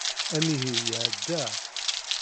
Amihi iɛedda.